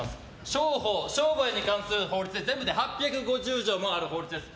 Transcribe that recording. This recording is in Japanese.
商法、商売に関する法律で全部で８５０条もある法律です。